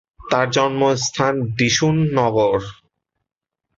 তার জন্মস্থান ডীশুনগর।